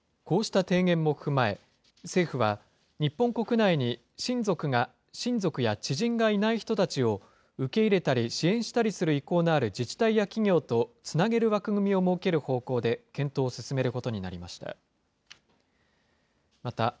こうした提言も踏まえ、政府は日本国内に親族や知人がいない人たちを受け入れたり支援したりする意向のある自治体や企業と、つなげる枠組みを設ける方向で検討を進めることになりました。